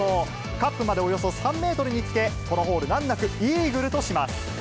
カップまでおよそ３メートルにつけ、このホール、難なくイーグルとします。